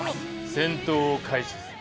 戦闘を開始する。